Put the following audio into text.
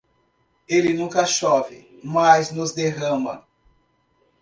Ele nunca chove, mas nos derrama.